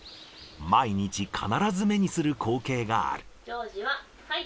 毎日必ず目にする光景がある。